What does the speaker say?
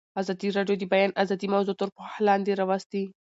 ازادي راډیو د د بیان آزادي موضوع تر پوښښ لاندې راوستې.